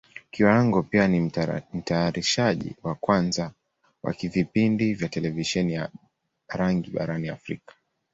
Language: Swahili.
Kiwango pia ni Mtayarishaji wa kwanza wa vipindi vya Televisheni ya rangi barani Africa.